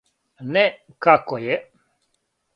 Не, како је?